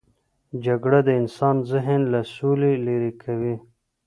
جګړه د انسان ذهن له سولې لیرې کوي